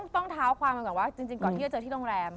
ต้องเท้าความว่าจริงก่อนที่เจอที่โรงแรม